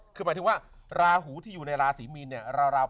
คือหมายถึงว่าราหูที่อยู่ในราศีมีนเนี่ย